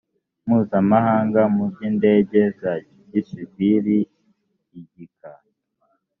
mpuzamahanga mu by indege za gisivili igika